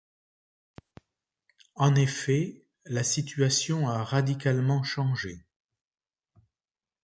En effet, la situation a radicalement changé.